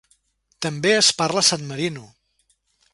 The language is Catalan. També es parla a San Marino.